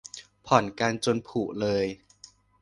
ผ่อนกันจนผุเลย